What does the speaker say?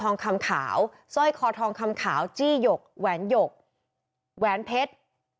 ทองคำขาวสร้อยคอทองคำขาวจี้หยกแหวนหยกแหวนเพชร